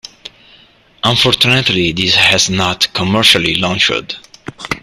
Unfortunately this has not commercially launched.